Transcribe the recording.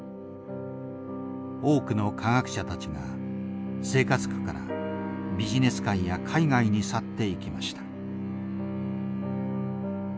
多くの科学者たちが生活苦からビジネス界や海外に去っていきました。